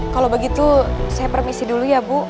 kalau begitu saya permisi dulu ya bu